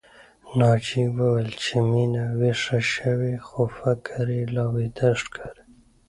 ناجيې وويل چې مينه ويښه شوې خو فکر يې لا ويده ښکاري